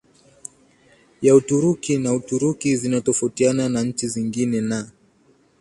ya Uturuki na Uturuki zinatofautiana na nchi zingine na